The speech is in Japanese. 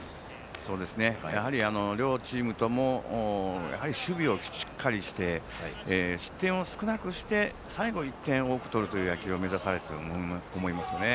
やはり両チームとも守備をしっかりして失点を少なくして最後、１点多く取るという野球を目指されていると思いますね。